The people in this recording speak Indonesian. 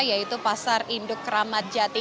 yaitu pasar induk kramajati